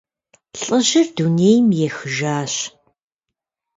ЛӀыжьыр дунейм ехыжащ.